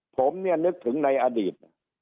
ผมเนี่ยนึกถึงในอดีต